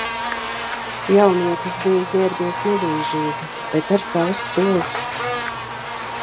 Jaunietis bija ģērbies nevīžīgi, bet ar savu stilu